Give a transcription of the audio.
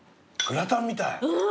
グラタンみたい。